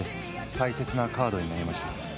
大切なカードになりました。